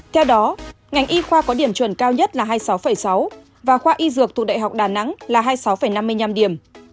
theo đó ngành y khoa có điểm chuẩn cao nhất là hai mươi sáu sáu và khoa y dược thuộc đại học đà nẵng là hai mươi sáu năm mươi năm điểm